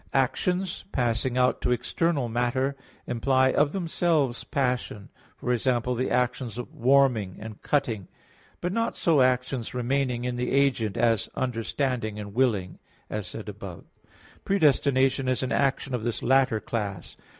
1: Actions passing out to external matter imply of themselves passion for example, the actions of warming and cutting; but not so actions remaining in the agent, as understanding and willing, as said above (Q. 14, A. 2; Q. 18, A. 3, ad 1). Predestination is an action of this latter class.